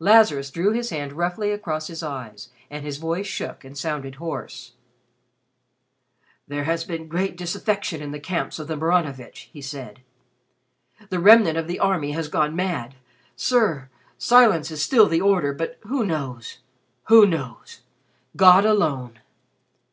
Lazarus drew his hand roughly across his eyes and his voice shook and sounded hoarse. "There has been great disaffection in the camps of the Maranovitch," he said. "The remnant of the army has gone mad. Sir, silence is still the order, but who knows who knows? God alone."